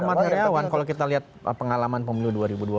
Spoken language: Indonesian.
amat heriawan kalau kita lihat pengalaman pemilih dua ribu dua belas